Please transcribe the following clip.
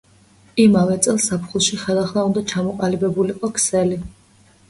იმავე წლის ზაფხულში ხელახლა უნდა ჩამოყალიბებულიყო ქსელი.